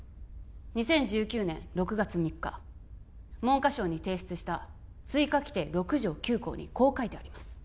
２０１９年６月３日文科省に提出した追加規定６条９項にこう書いてあります